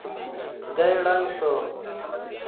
دی ړنګ شو.